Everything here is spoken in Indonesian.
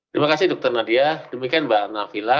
terima kasih dr nadia demikian mbak anavila